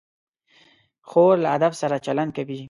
خور له ادب سره چلند کوي.